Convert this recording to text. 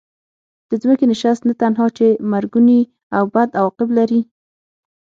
د ځمکې نشست نه تنها چې مرګوني او بد عواقب لري.